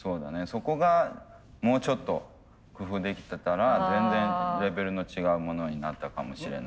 そこがもうちょっと工夫できてたら全然レベルの違うものになったかもしれない。